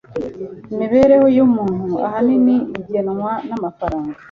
imibereho yumuntu ahanini igenwa namafaranga